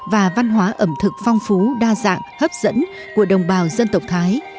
và văn hóa ẩm thực phong phú đa dạng hấp dẫn của đồng bào dân tộc thái